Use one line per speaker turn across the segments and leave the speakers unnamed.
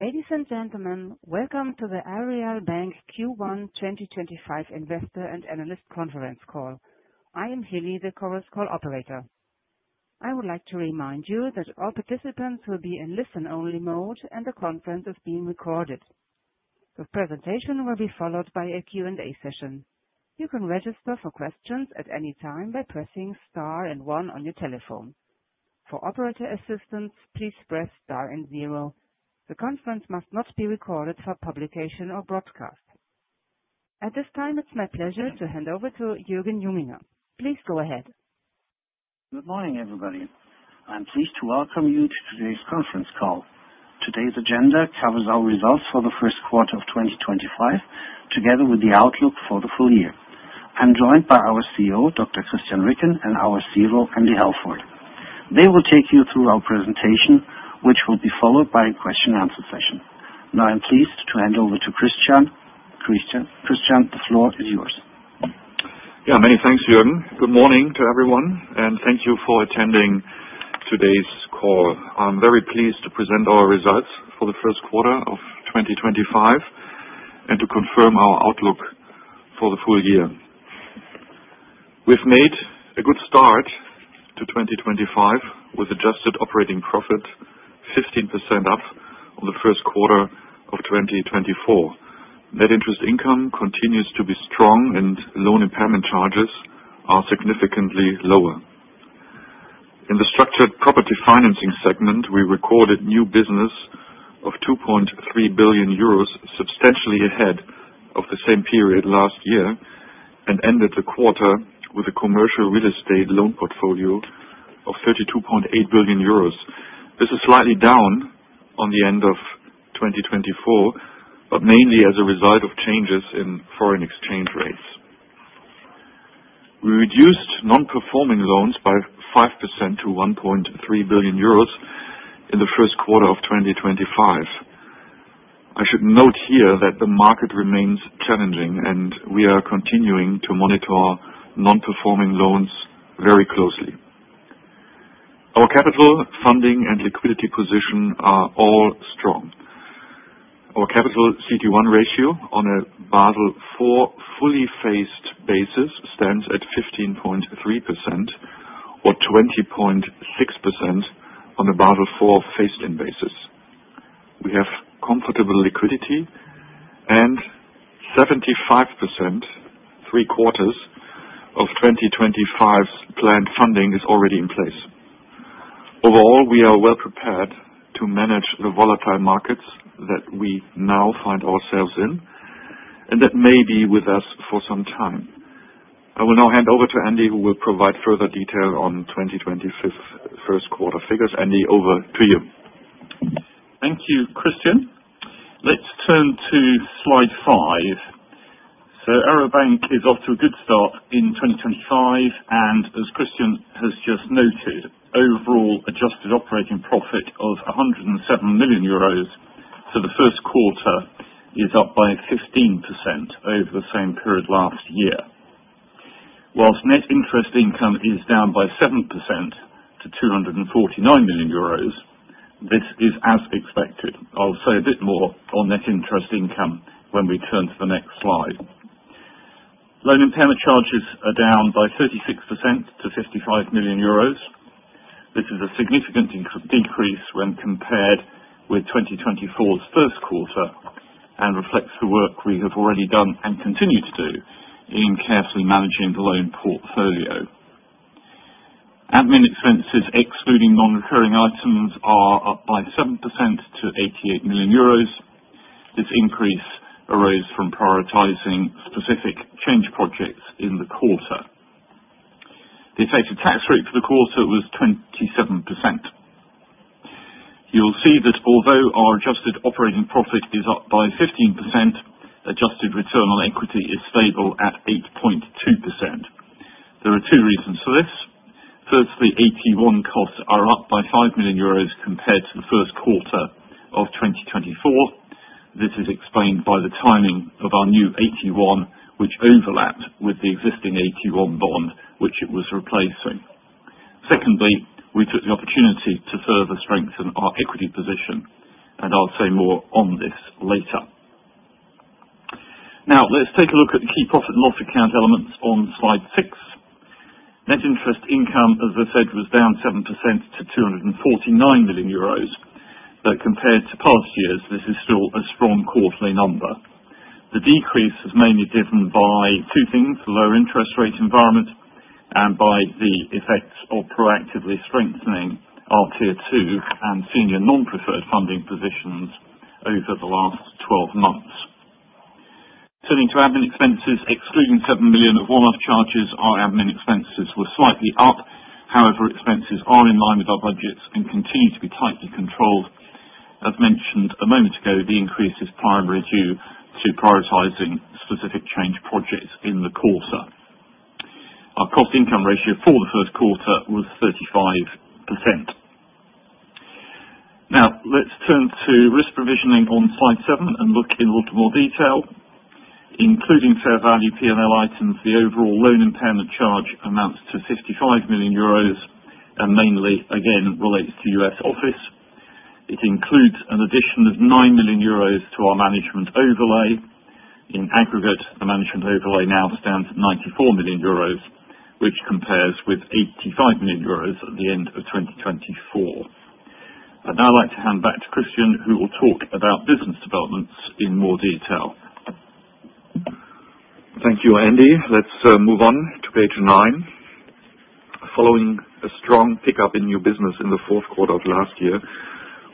Ladies and gentlemen, welcome to the Aareal Bank Q1 2025 Investor and Analyst Conference call. I am Hiley, the call operator. I would like to remind you that all participants will be in listen-only mode and the conference is being recorded. The presentation will be followed by a Q&A session. You can register for questions at any time by pressing star and one on your telephone. For operator assistance, please press star and zero. The conference must not be recorded for publication or broadcast. At this time, it's my pleasure to hand over to Jürgen Junginger. Please go ahead.
Good morning, everybody. I'm pleased to welcome you to today's conference call. Today's agenda covers our results for the first quarter of 2025, together with the outlook for the full year. I'm joined by our CEO, Dr. Christian Ricken, and our CFO, Andy Halford. They will take you through our presentation, which will be followed by a question-and-answer session. Now, I'm pleased to hand over to Christian. Christian, the floor is yours.
Yeah, many thanks, Jürgen. Good morning to everyone, and thank you for attending today's call. I'm very pleased to present our results for the first quarter of 2025 and to confirm our outlook for the full year. We've made a good start to 2025 with adjusted operating profit, 15% up on the first quarter of 2024. Net interest income continues to be strong, and loan impairment charges are significantly lower. In the Structured Property Financing segment, we recorded new business of 2.3 billion euros, substantially ahead of the same period last year, and ended the quarter with a commercial real estate loan portfolio of 32.8 billion euros. This is slightly down on the end of 2024, but mainly as a result of changes in foreign exchange rates. We reduced non-performing loans by 5% to 1.3 billion euros in the first quarter of 2025. I should note here that the market remains challenging, and we are continuing to monitor non-performing loans very closely. Our capital, funding, and liquidity position are all strong. Our capital CET1 ratio on a Basel IV fully phased basis stands at 15.3%, or 20.6% on a Basel IV phased-in basis. We have comfortable liquidity, and 75%, three quarters of 2025's planned funding is already in place. Overall, we are well prepared to manage the volatile markets that we now find ourselves in, and that may be with us for some time. I will now hand over to Andy, who will provide further detail on 2025's first quarter figures. Andy, over to you.
Thank you, Christian. Let's turn to slide five. Aareal Bank is off to a good start in 2025, and as Christian has just noted, overall adjusted operating profit of 107 million euros for the first quarter is up by 15% over the same period last year. Whilst net interest income is down by 7% to 249 million euros, this is as expected. I'll say a bit more on net interest income when we turn to the next slide. Loan impairment charges are down by 36% to 55 million euros. This is a significant decrease when compared with 2024's first quarter and reflects the work we have already done and continue to do in carefully managing the loan portfolio. Admin expenses, excluding non-recurring items, are up by 7% to 88 million euros. This increase arose from prioritizing specific change projects in the quarter. The effective tax rate for the quarter was 27%. You'll see that although our adjusted operating profit is up by 15%, adjusted return on equity is stable at 8.2%. There are two reasons for this. Firstly, AT1 costs are up by 5 million euros compared to the first quarter of 2024. This is explained by the timing of our new AT1, which overlapped with the existing AT1 bond, which it was replacing. Secondly, we took the opportunity to further strengthen our equity position, and I'll say more on this later. Now, let's take a look at the key profit and loss account elements on slide six. Net interest income, as I said, was down 7% to 249 million euros, but compared to past years, this is still a strong quarterly number. The decrease is mainly driven by two things: the low interest rate environment and by the effects of proactively strengthening our tier two and senior non-preferred funding positions over the last 12 months. Turning to admin expenses, excluding 7 million of one-off charges, our admin expenses were slightly up. However, expenses are in line with our budgets and continue to be tightly controlled. As mentioned a moment ago, the increase is primarily due to prioritizing specific change projects in the quarter. Our cost income ratio for the first quarter was 35%. Now, let's turn to risk provisioning on slide seven and look in a little more detail. Including fair value P&L items, the overall loan impairment charge amounts to 55 million euros and mainly, again, relates to U.S. office. It includes an addition of 9 million euros to our management overlay. In aggregate, the management overlay now stands at 94 million euros, which compares with 85 million euros at the end of 2024. I'd now like to hand back to Christian, who will talk about business developments in more detail.
Thank you, Andy. Let's move on to page nine. Following a strong pickup in new business in the fourth quarter of last year,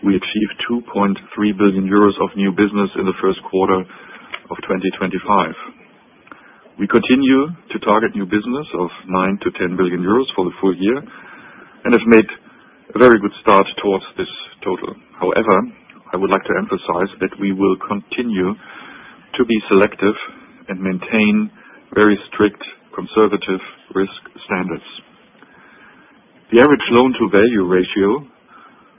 we achieved 2.3 billion euros of new business in the first quarter of 2025. We continue to target new business of 9 billion-10 billion euros for the full year and have made a very good start towards this total. However, I would like to emphasize that we will continue to be selective and maintain very strict conservative risk standards. The average loan-to-value ratio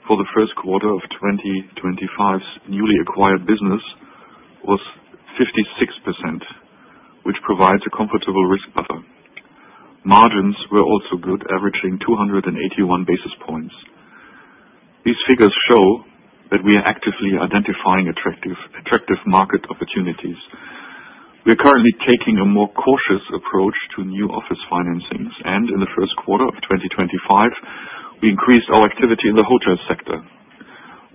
for the first quarter of 2025's newly acquired business was 56%, which provides a comfortable risk buffer. Margins were also good, averaging 281 basis points. These figures show that we are actively identifying attractive market opportunities. We are currently taking a more cautious approach to new office financings, and in the first quarter of 2025, we increased our activity in the hotel sector.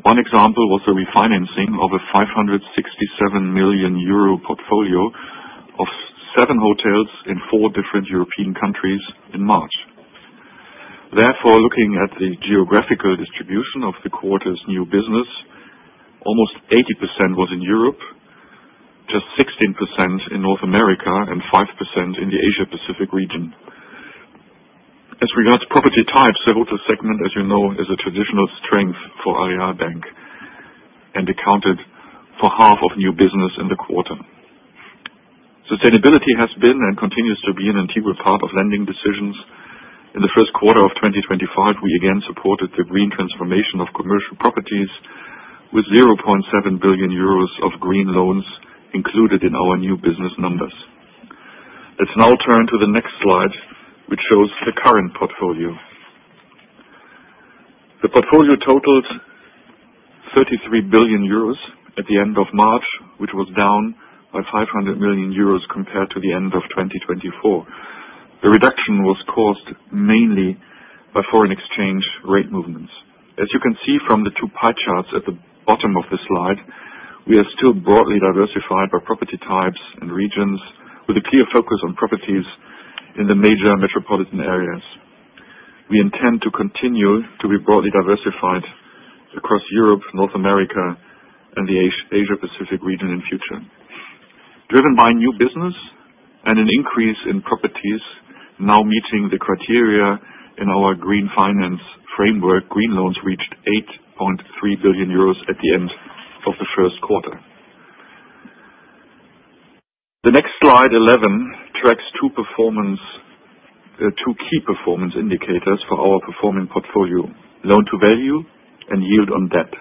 One example was the refinancing of a 567 million euro portfolio of seven hotels in four different European countries in March. Therefore, looking at the geographical distribution of the quarter's new business, almost 80% was in Europe, just 16% in North America, and 5% in the Asia-Pacific region. As regards property types, the Hotel segment, as you know, is a traditional strength for Aareal Bank and accounted for half of new business in the quarter. Sustainability has been and continues to be an integral part of lending decisions. In the first quarter of 2025, we again supported the green transformation of commercial properties with 0.7 billion euros of green loans included in our new business numbers. Let's now turn to the next slide, which shows the current portfolio. The portfolio totaled 33 billion euros at the end of March, which was down by 500 million euros compared to the end of 2024. The reduction was caused mainly by foreign exchange rate movements. As you can see from the two pie charts at the bottom of the slide, we are still broadly diversified by property types and regions, with a clear focus on properties in the major metropolitan areas. We intend to continue to be broadly diversified across Europe, North America, and the Asia-Pacific region in the future. Driven by new business and an increase in properties now meeting the criteria in our green finance framework, green loans reached 8.3 billion euros at the end of the first quarter. The next slide, 11, tracks two key performance indicators for our performing portfolio: loan-to-value and yield on debt.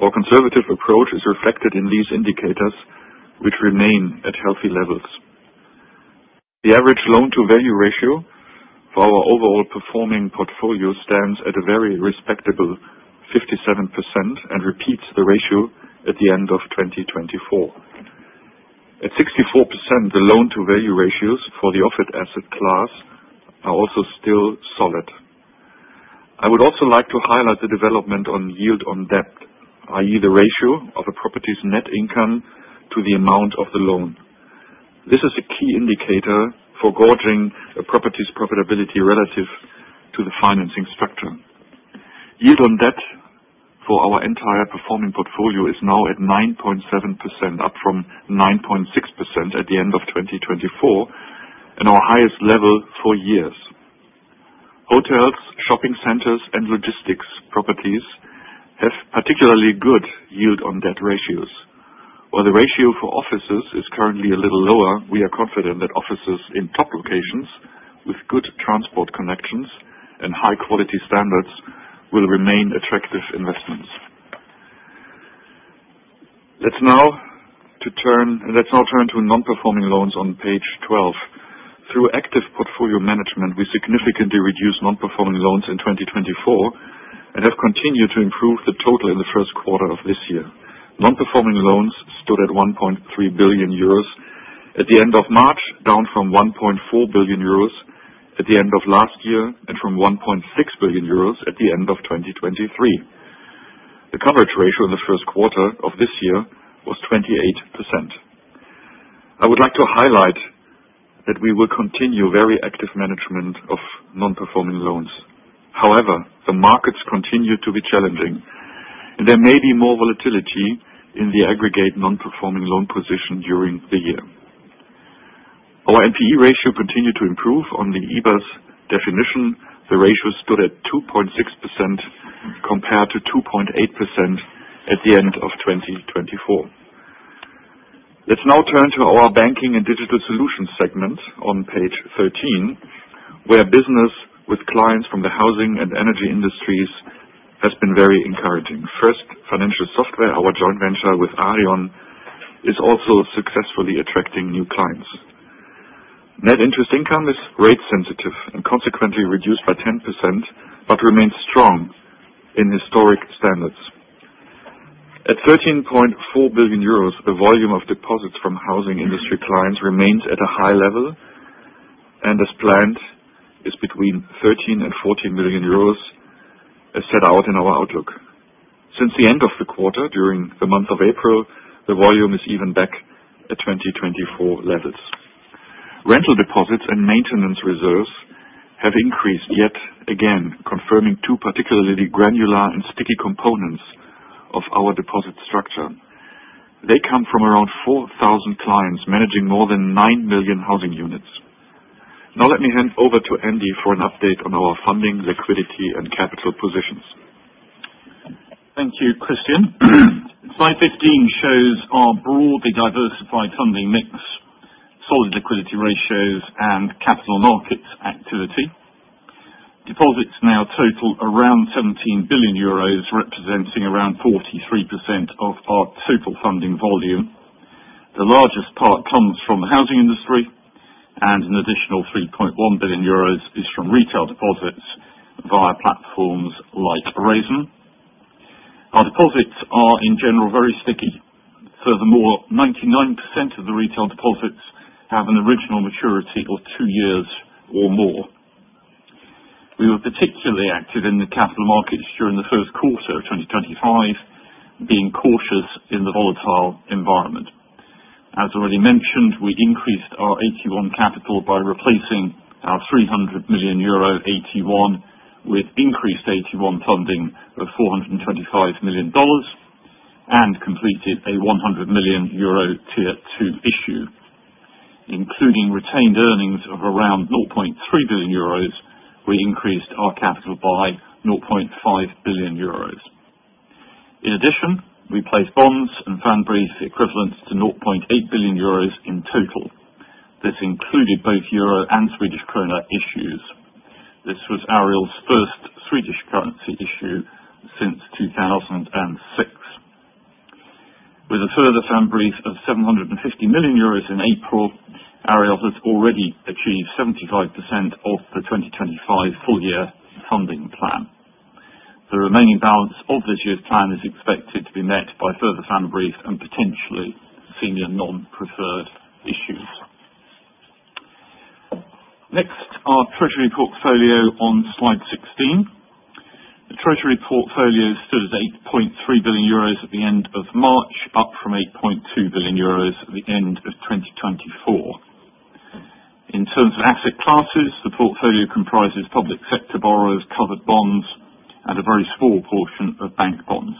Our conservative approach is reflected in these indicators, which remain at healthy levels. The average loan-to-value ratio for our overall performing portfolio stands at a very respectable 57% and repeats the ratio at the end of 2024. At 64%, the loan-to-value ratios for the office asset class are also still solid. I would also like to highlight the development on yield on debt, i.e., the ratio of a property's net income to the amount of the loan. This is a key indicator for gauging a property's profitability relative to the financing structure. Yield on debt for our entire performing portfolio is now at 9.7%, up from 9.6% at the end of 2024, and our highest level for years. Hotels, shopping centers, and logistics properties have particularly good yield on debt ratios. While the ratio for offices is currently a little lower, we are confident that offices in top locations with good transport connections and high-quality standards will remain attractive investments. Let's now turn to non-performing loans on page 12. Through active portfolio management, we significantly reduced non-performing loans in 2024 and have continued to improve the total in the first quarter of this year. Non-performing loans stood at 1.3 billion euros at the end of March, down from 1.4 billion euros at the end of last year and from 1.6 billion euros at the end of 2023. The coverage ratio in the first quarter of this year was 28%. I would like to highlight that we will continue very active management of non-performing loans. However, the markets continue to be challenging, and there may be more volatility in the aggregate non-performing loan position during the year. Our NPE ratio continued to improve on the EBA's definition. The ratio stood at 2.6% compared to 2.8% at the end of 2024. Let's now turn to our Banking and Digital Solutions segment on page 13, where business with clients from the housing and energy industries has been very encouraging. First, financial software, our joint venture with Aareon, is also successfully attracting new clients. Net interest income is rate-sensitive and consequently reduced by 10% but remains strong in historic standards. At 13.4 billion euros, the volume of deposits from housing industry clients remains at a high level, and as planned, is between 13 billion and 14 billion euros as set out in our outlook. Since the end of the quarter, during the month of April, the volume is even back at 2024 levels. Rental deposits and maintenance reserves have increased yet again, confirming two particularly granular and sticky components of our deposit structure. They come from around 4,000 clients managing more than 9 million housing units. Now, let me hand over to Andy for an update on our funding, liquidity, and capital positions.
Thank you, Christian. Slide 15 shows our broadly diversified funding mix, solid liquidity ratios, and capital markets activity. Deposits now total around 17 billion euros, representing around 43% of our total funding volume. The largest part comes from the housing industry, and an additional 3.1 billion euros is from retail deposits via platforms like Raisin. Our deposits are, in general, very sticky. Furthermore, 99% of the retail deposits have an original maturity of two years or more. We were particularly active in the capital markets during the first quarter of 2025, being cautious in the volatile environment. As already mentioned, we increased our AT1 capital by replacing our 300 million euro AT1 with increased AT1 funding of $425 million and completed a 100 million euro tier two issue. Including retained earnings of around 0.3 billion euros, we increased our capital by 0.5 billion euros. In addition, we placed bonds and funds equivalent to 0.8 billion euros in total. This included both euro and Swedish krona issues. This was Aareal's first Swedish currency issue since 2006. With a further fund brief of 750 million euros in April, Aareal has already achieved 75% of the 2025 full-year funding plan. The remaining balance of this year's plan is expected to be met by further fund briefs and potentially senior non-preferred issues. Next, our treasury portfolio on slide 16. The treasury portfolio stood at 8.3 billion euros at the end of March, up from 8.2 billion euros at the end of 2024. In terms of asset classes, the portfolio comprises public sector borrowers, covered bonds, and a very small portion of bank bonds.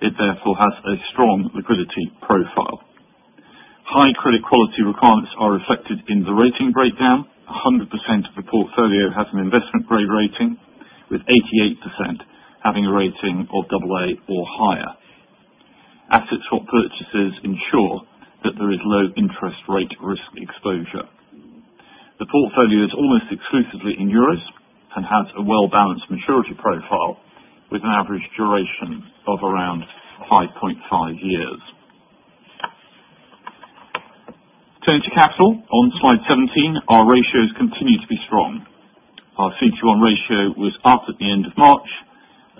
It, therefore, has a strong liquidity profile. High credit quality requirements are reflected in the rating breakdown. 100% of the portfolio has an investment-grade rating, with 88% having a rating of double A or higher. Asset swap purchases ensure that there is low interest rate risk exposure. The portfolio is almost exclusively in euros and has a well-balanced maturity profile with an average duration of around 5.5 years. Turning to capital on slide 17, our ratios continue to be strong. Our CET1 ratio was up at the end of March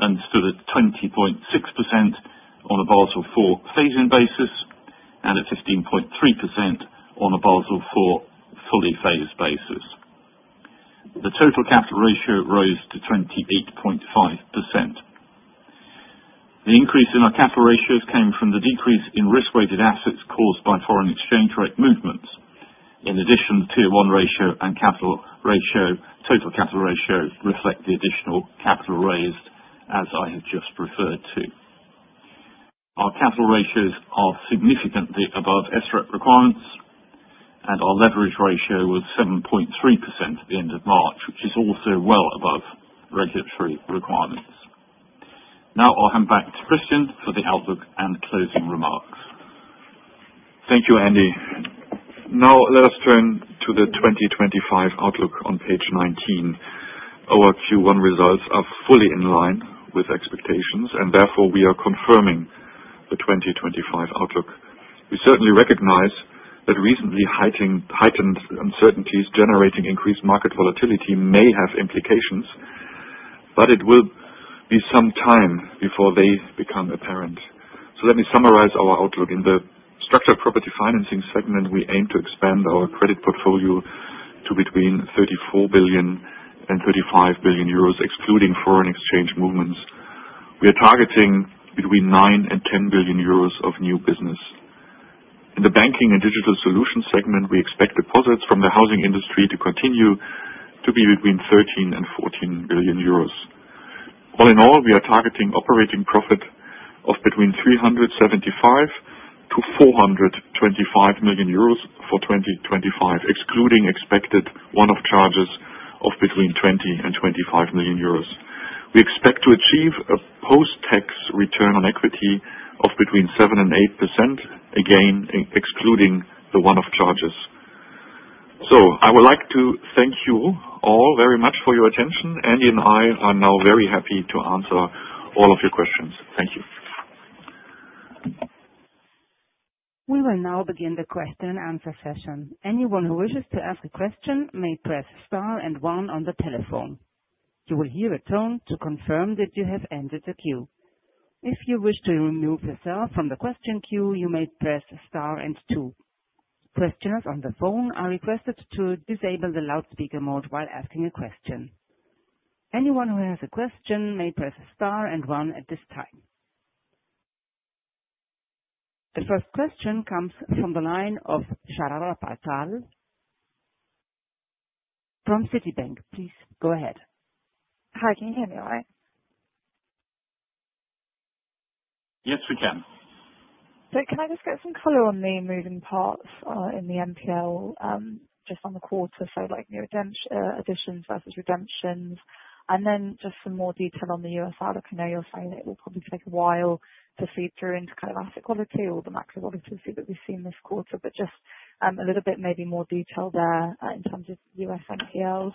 and stood at 20.6% on a Basel IV phasing basis and at 15.3% on a Basel IV fully phased basis. The total capital ratio rose to 28.5%. The increase in our capital ratios came from the decrease in risk-weighted assets caused by foreign exchange rate movements. In addition, the Tier one ratio and total capital ratio reflect the additional capital raised, as I have just referred to. Our capital ratios are significantly above SREP requirements, and our leverage ratio was 7.3% at the end of March, which is also well above regulatory requirements. Now, I'll hand back to Christian for the outlook and closing remarks.
Thank you, Andy. Now, let us turn to the 2025 outlook on page 19. Our Q1 results are fully in line with expectations, and therefore, we are confirming the 2025 outlook. We certainly recognize that recently heightened uncertainties generating increased market volatility may have implications, but it will be some time before they become apparent. Let me summarize our outlook. In the Structured Property Financing segment, we aim to expand our credit portfolio to between 34 billion and 35 billion euros, excluding foreign exchange movements. We are targeting between 9 billion and 10 billion euros of new business. In the Banking and Digital Solutions segment, we expect deposits from the housing industry to continue to be between 13 billion and 14 billion euros. All in all, we are targeting operating profit of between 375 million-425 million euros for 2025, excluding expected one-off charges of between 20 million-25 million euros. We expect to achieve a post-tax return on equity of between 7%-8%, again excluding the one-off charges. I would like to thank you all very much for your attention. Andy and I are now very happy to answer all of your questions. Thank you.
We will now begin the question-and-answer session. Anyone who wishes to ask a question may press star and one on the telephone. You will hear a tone to confirm that you have entered the queue. If you wish to remove yourself from the question queue, you may press star and two. Questioners on the phone are requested to disable the loudspeaker mode while asking a question. Anyone who has a question may press star and one at this time. The first question comes from the line of Sharada Bhattal from Citibank. Please go ahead. Hi, can you hear me all right?
Yes, we can. Can I just get some color on the moving parts in the NPL just on the quarter? Like new additions versus redemptions, and then just some more detail on the U.S. outlook. I know you're saying it will probably take a while to see through into kind of asset quality or the maxability that we've seen this quarter, but just a little bit maybe more detail there in terms of U.S. NPLs.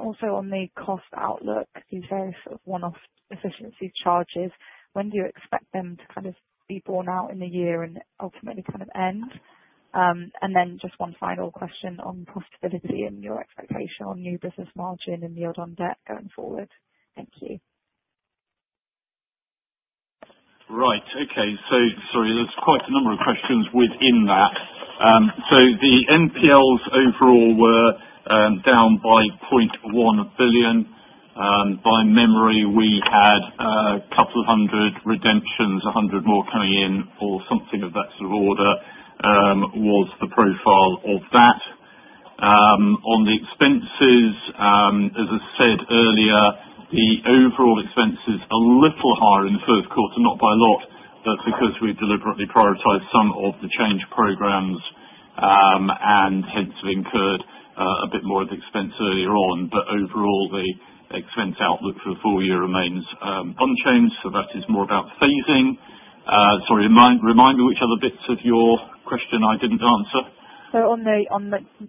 Also on the cost outlook, these various sort of one-off efficiency charges, when do you expect them to kind of be borne out in the year and ultimately kind of end? Just one final question on profitability and your expectation on new business margin and yield on debt going forward. Thank you.
Right. Okay. Sorry, there's quite a number of questions within that. The NPLs overall were down by 0.1 billion. By memory, we had a couple of hundred redemptions, 100 more coming in, or something of that sort of order was the profile of that. On the expenses, as I said earlier, the overall expenses are a little higher in the first quarter, not by a lot, but because we've deliberately prioritized some of the change programs and hence have incurred a bit more of the expense earlier on. Overall, the expense outlook for the full year remains unchanged. That is more about phasing. Sorry, remind me which other bits of your question I did not answer. On the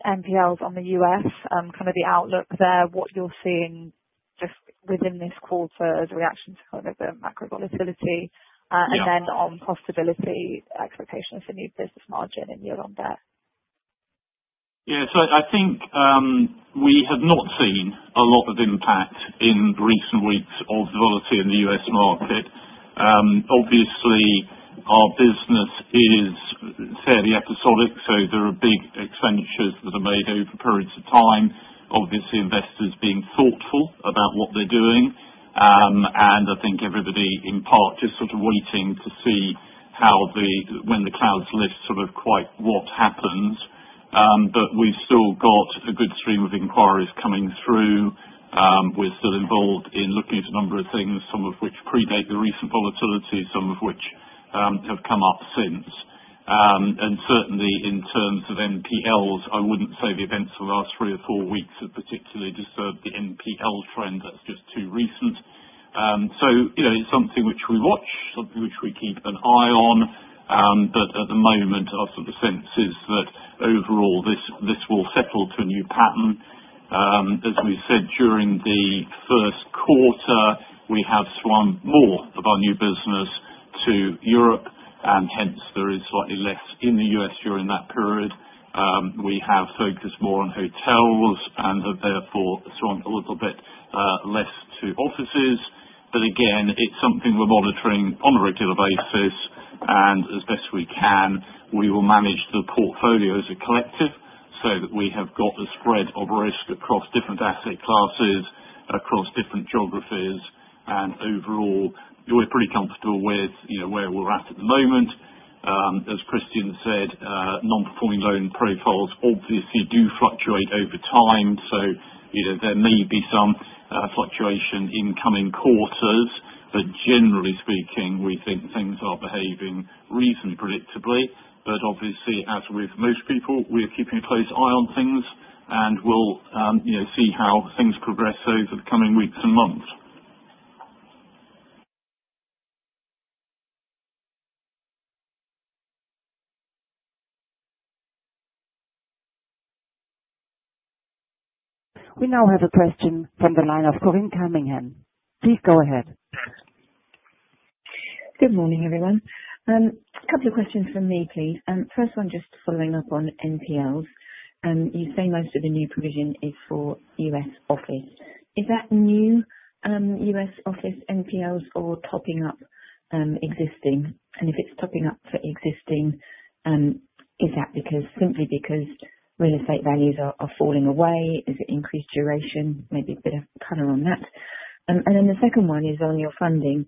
NPLs on the U.S., kind of the outlook there, what you're seeing just within this quarter as a reaction to kind of the macro volatility, and then on profitability expectations for new business margin and yield on debt? Yeah. I think we have not seen a lot of impact in recent weeks of volatility in the U.S. market. Obviously, our business is fairly episodic, so there are big expenditures that are made over periods of time. Obviously, investors being thoughtful about what they're doing, and I think everybody in part just sort of waiting to see when the clouds lift sort of quite what happens. We have still got a good stream of inquiries coming through. We are still involved in looking at a number of things, some of which predate the recent volatility, some of which have come up since. Certainly, in terms of NPLs, I would not say the events of the last three or four weeks have particularly disturbed the NPL trend. That is just too recent. It is something which we watch, something which we keep an eye on. At the moment, our sort of sense is that overall, this will settle to a new pattern. As we said, during the first quarter, we have swung more of our new business to Europe, and hence there is slightly less in the U.S. during that period. We have focused more on hotels and have therefore swung a little bit less to offices. It is something we are monitoring on a regular basis, and as best we can, we will manage the portfolio as a collective so that we have got a spread of risk across different asset classes, across different geographies. Overall, we are pretty comfortable with where we are at at the moment. As Christian said, non-performing loan profiles obviously do fluctuate over time. There may be some fluctuation in coming quarters, but generally speaking, we think things are behaving reasonably predictably. Obviously, as with most people, we're keeping a close eye on things and will see how things progress over the coming weeks and months.
We now have a question from the line of Corinne Cunningham. Please go ahead.
Good morning, everyone. A couple of questions from me, please. First one, just following up on NPLs. You say most of the new provision is for U.S. office. Is that new U.S. office NPLs or topping up existing? If it's topping up for existing, is that simply because real estate values are falling away? Is it increased duration? Maybe a bit of color on that. The second one is on your funding.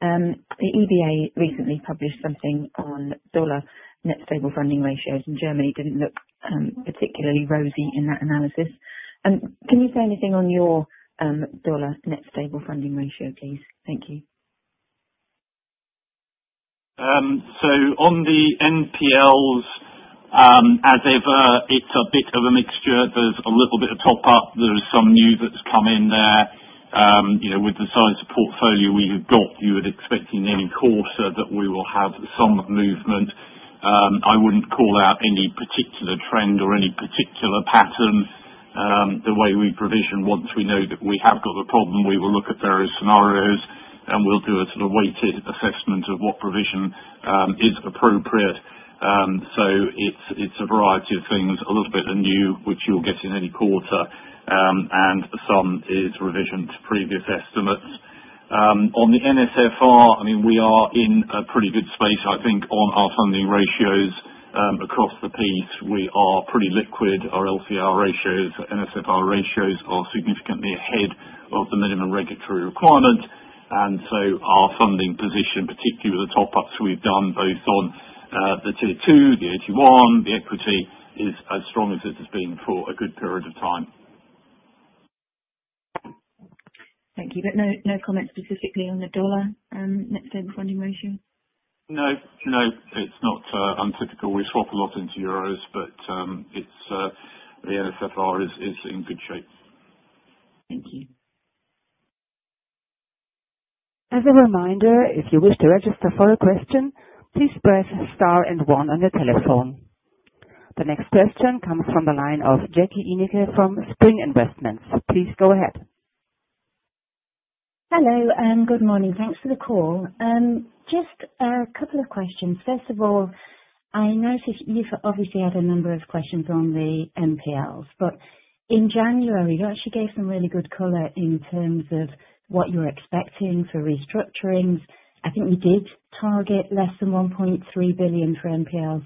The EBA recently published something on dollar net stable funding ratios, and Germany didn't look particularly rosy in that analysis. Can you say anything on your dollar net stable funding ratio, please? Thank you.
On the NPLs, as ever, it's a bit of a mixture. There's a little bit of top-up. There is some new that's come in there. With the size of portfolio we have got, you would expect in any quarter that we will have some movement. I wouldn't call out any particular trend or any particular pattern. The way we provision, once we know that we have got the problem, we will look at various scenarios, and we'll do a sort of weighted assessment of what provision is appropriate. It's a variety of things, a little bit of new, which you'll get in any quarter, and some is revision to previous estimates. On the NSFR, I mean, we are in a pretty good space, I think, on our funding ratios. Across the piece, we are pretty liquid. Our LCR ratios, NSFR ratios are significantly ahead of the minimum regulatory requirement. Our funding position, particularly with the top-ups we've done both on the tier two, the AT1, the equity, is as strong as it has been for a good period of time.
Thank you. No comment specifically on the dollar net stable funding ratio?
No, no. It's not untypical. We swap a lot into euros, but the NSFR is in good shape.
Thank you.
As a reminder, if you wish to register for a question, please press star and one on your telephone. The next question comes from the line of Jackie Ineke from Spring Investments. Please go ahead.
Hello, good morning. Thanks for the call. Just a couple of questions. First of all, I noticed you've obviously had a number of questions on the NPLs, but in January, you actually gave some really good color in terms of what you're expecting for restructurings. I think you did target less than 1.3 billion for NPLs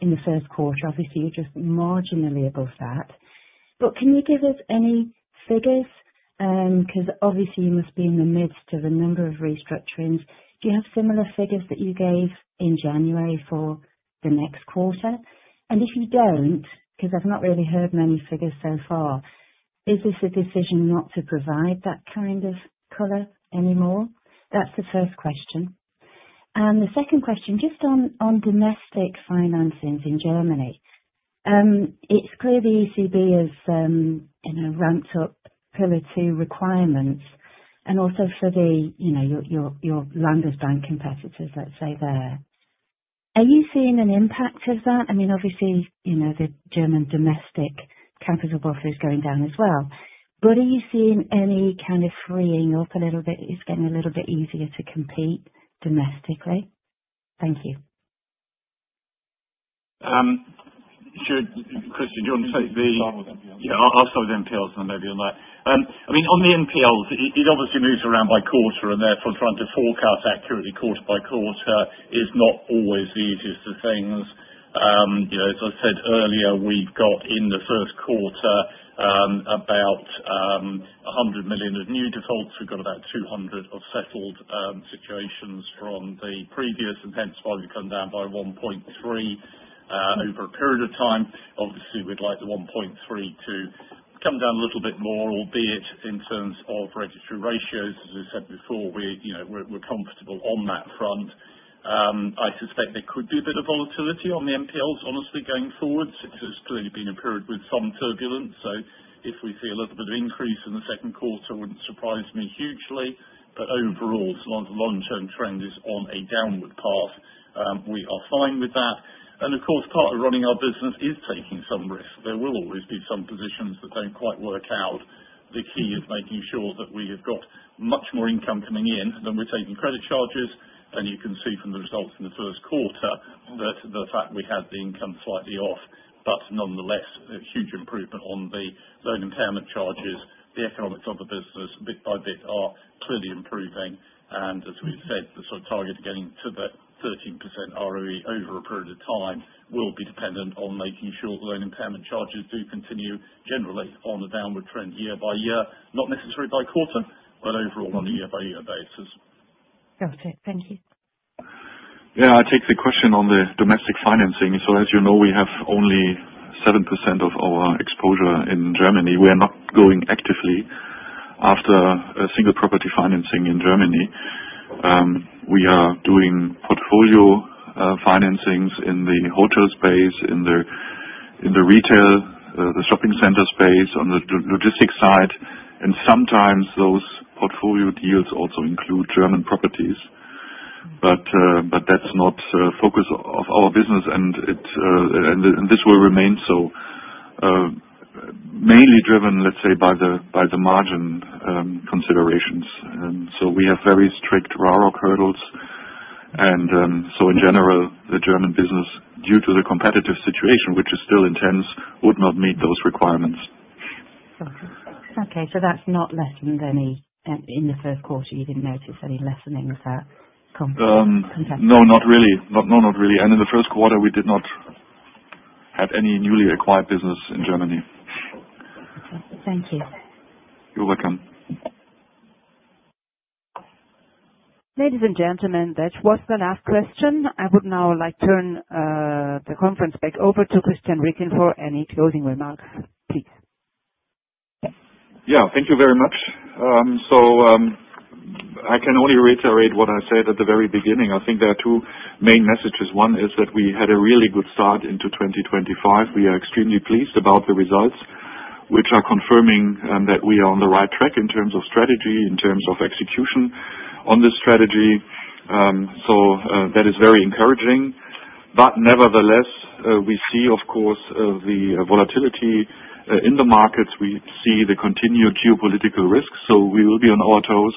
in the first quarter. Obviously, you're just marginally above that. Can you give us any figures? Because obviously, you must be in the midst of a number of restructurings. Do you have similar figures that you gave in January for the next quarter? If you don't, because I've not really heard many figures so far, is this a decision not to provide that kind of color anymore? That's the first question. The second question, just on domestic finances in Germany, it's clear the ECB has ramped up pillar two requirements and also for your Landesbank competitors, let's say, there. Are you seeing an impact of that? I mean, obviously, the German domestic capital buffer is going down as well. Are you seeing any kind of freeing up a little bit? Is it getting a little bit easier to compete domestically? Thank you.
Sure. Christian, do you want to take the?
Yeah, I'll start with NPLs and then maybe on that. I mean, on the NPLs, it obviously moves around by quarter, and therefore, trying to forecast accurately quarter by quarter is not always the easiest of things. As I said earlier, we've got in the first quarter about 100 million of new defaults. We've got about 200 million of settled situations from the previous, and hence why we've come down by 1.3 over a period of time. Obviously, we'd like the 1.3 to come down a little bit more, albeit in terms of regulatory ratios. As I said before, we're comfortable on that front. I suspect there could be a bit of volatility on the NPLs, honestly, going forward. It has clearly been a period with some turbulence. If we see a little bit of increase in the second quarter, it would not surprise me hugely. Overall, the long-term trend is on a downward path. We are fine with that. Of course, part of running our business is taking some risks. There will always be some positions that do not quite work out. The key is making sure that we have got much more income coming in than we are taking credit charges. You can see from the results in the first quarter that the fact we had the income slightly off, but nonetheless, a huge improvement on the loan impairment charges. The economics of the business, bit by bit, are clearly improving. As we've said, the sort of target of getting to that 13% ROE over a period of time will be dependent on making sure the loan impairment charges do continue generally on a downward trend year by year, not necessarily by quarter, but overall on a year-by-year basis.
Got it. Thank you.
Yeah, I take the question on the domestic financing. As you know, we have only 7% of our exposure in Germany. We are not going actively after a single property financing in Germany. We are doing portfolio financings in the hotel space, in the retail, the shopping center space, on the logistics side. Sometimes those portfolio deals also include German properties. That is not the focus of our business, and this will remain so, mainly driven, let's say, by the margin considerations. We have very strict raw rock hurdles. In general, the German business, due to the competitive situation, which is still intense, would not meet those requirements.
Okay. So, that's not lessened any in the first quarter? You didn't notice any lessening of that competitive competition?
No, not really. In the first quarter, we did not have any newly acquired business in Germany.
Thank you.
You're welcome.
Ladies and gentlemen, that was the last question. I would now like to turn the conference back over to Christian Ricken for any closing remarks, please.
Yeah, thank you very much. I can only reiterate what I said at the very beginning. I think there are two main messages. One is that we had a really good start into 2025. We are extremely pleased about the results, which are confirming that we are on the right track in terms of strategy, in terms of execution on this strategy. That is very encouraging. Nevertheless, we see, of course, the volatility in the markets. We see the continued geopolitical risks. We will be on our toes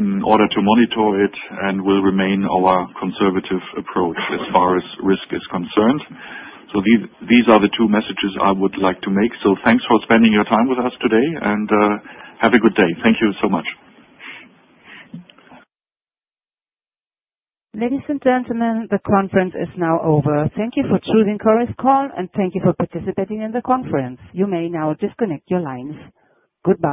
in order to monitor it, and we'll remain our conservative approach as far as risk is concerned. These are the two messages I would like to make. Thanks for spending your time with us today, and have a good day. Thank you so much.
Ladies and gentlemen, the conference is now over. Thank you for choosing CorisCall, and thank you for participating in the conference. You may now disconnect your lines. Goodbye.